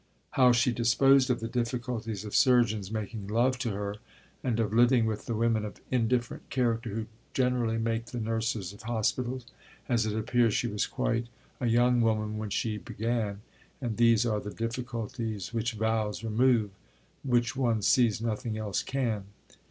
How she disposed of the difficulties of surgeons making love to her, and of living with the women of indifferent character who generally make the nurses of hospitals, as it appears she was quite a young woman when she began, and these are the difficulties which vows remove which one sees nothing else can."